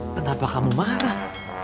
kenapa kamu marah